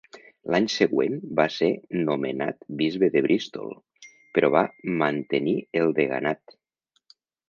L'any següent va ser nomenat bisbe de Bristol, però va mantenir el deganat.